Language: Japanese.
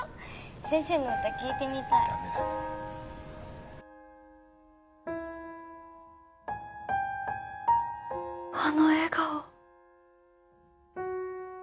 先生の歌聴いてみたいダメダメあの笑顔